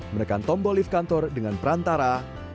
menekan tombol lift kantor dengan perantara